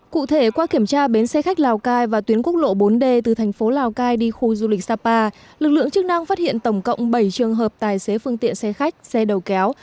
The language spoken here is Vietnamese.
cụ thể qua kiểm tra bến xe khách lào cai và tuyến quốc lộ bốn d từ thành phố lào cai đi khu du lịch sapa lực lượng chức năng phát hiện tổng cộng bảy trường hợp tài xế phương tiện xe khách xe đầu kéo